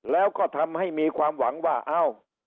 แล้วก็ทำให้มีความหวังว่าเอ้า